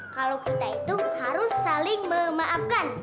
kalau kita itu harus saling memaafkan